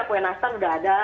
kue nastar sudah ada